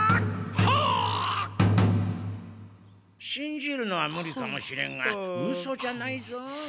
しんじるのはムリかもしれんがうそじゃないぞ。